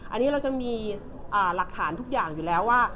อันนี้เราจะมีหลักฐานทุกอย่างอยู่แล้วว่า